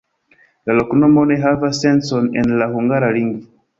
La loknomo ne havas sencon en la hungara lingvo.